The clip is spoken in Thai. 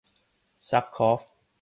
ซัคคอฟ